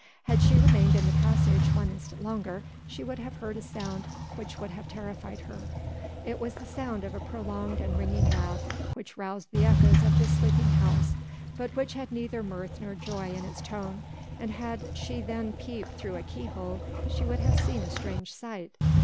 Had she remained in the passage one instant longer she would have heard a sound which would have terrified her; it was the sound of a prolonged and ringing laugh which roused the echoes of this sleeping house, but which had neither mirth nor joy in its tone, and had she then peeped through a keyhole she would have seen a strange sight.